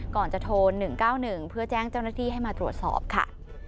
ก่อนจะโทร๑๙๑เพื่อแจ้งเจ้าหน้าที่ให้มาตรวจสอบค่ะ